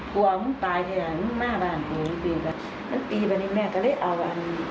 กลัวมันตายแท้มันมาบ้านโอ้ยมันปีบันนี้แม่ก็เลยเอาอัน